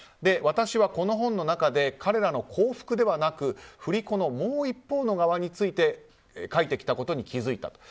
私はこの本の中で彼らの幸福ではなく振り子のもう一方の側について描いてきたことに気づいた。